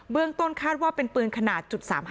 เรื่องต้นคาดว่าเป็นปืนขนาด๓๕